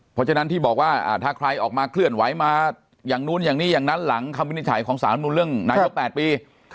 เพราะฉะนั้นที่บอกว่าถ้าใครออกมาเคลื่อนไหวมาอย่างนู้นอย่างนี้อย่างนั้นหลังคำวินิจฉัยของสารนุนเรื่องนายก๘ปี